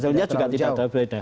hasilnya juga tidak terlalu jauh